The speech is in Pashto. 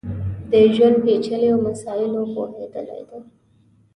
د ژوند پېچلیو مسایلو پوهېدلی دی.